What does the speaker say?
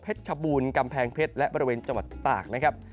ชบูรณ์กำแพงเพชรและบริเวณจังหวัดตากนะครับ